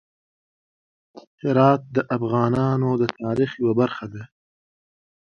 هرات د افغانانو د تاریخ یوه برخه ده.